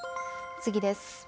次です。